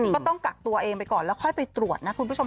ก็ต้องกักตัวเองไปก่อนแล้วค่อยไปตรวจนะคุณผู้ชม